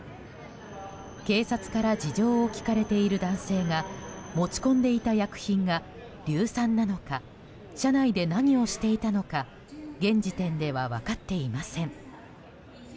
警察から事情を聴かれている男性が持ち込んでいた薬品が硫酸なのか車内で何をしていたのか現時点では分かっていません。